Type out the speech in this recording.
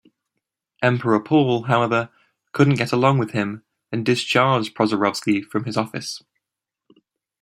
Emperor Paul, however, couldn't get along with him and discharged Prozorovsky from his office.